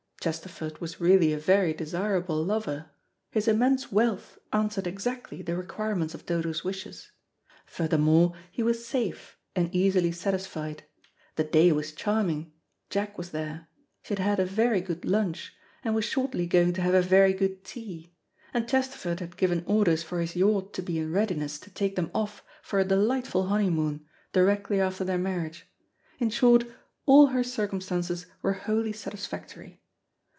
Chesterford was really a very desirable lover; his immense wealth answered exactly the requirements of Dodo's wishes. Furthermore, he was safe and easily satisfied; the day was charming; Jack was there; she had had a very good lunch, and was shortly going to have a very good tea; and Chesterford had given orders for his yacht to be in readiness to take them off for a delightful honeymoon, directly after their marriage in short, all her circumstances were wholly satisfactory.